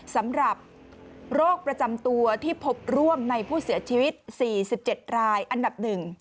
สำหรับโรคประจำตัวที่พบร่วมในผู้เสียชีวิต๔๗รายอันดับ๑